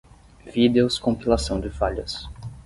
Vídeos compilação de falhas.